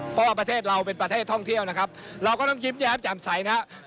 เพราะว่าประเทศเราเป็นประเทศท่องเที่ยวนะครับเราก็ต้องยิ้มแย้มแจ่มใสนะครับ